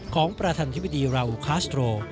ของประธานธิบดีราอูคาสโตร